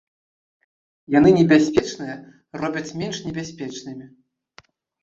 Яны небяспечныя робяць менш небяспечнымі.